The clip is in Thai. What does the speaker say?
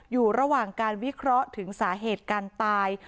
อยู่ระหว่างการวิเคราะห์ถึงสาเหตุการตาย